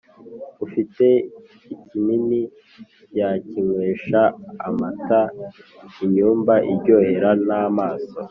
Ufite ikinini yakinywesha amataInyumba iryohera n'amaso